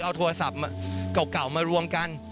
เอาโทรศัพท์เก่ามารวมกัน